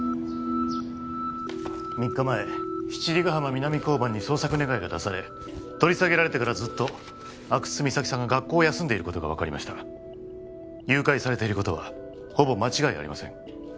３日前七里ヶ浜南交番に捜索願が出され取り下げられてからずっと阿久津実咲さんが学校を休んでいることが分かりました誘拐されていることはほぼ間違いありません